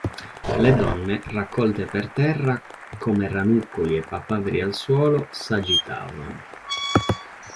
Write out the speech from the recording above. Le donne, raccolte per terra come ranuncoli e papaveri al suolo, s'agitavano.